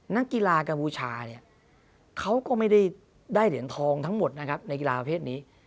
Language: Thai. นักกีฬากบูชาเขาก็ไม่ได้เหรียญทองทั้งหมดในกีฬาประเภทนี้